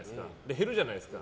減るじゃないですか。